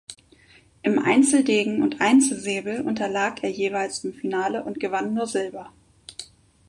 Im Einzel-Degen und Einzel-Säbel unterlag er jeweils im Finale und gewann nur Silber.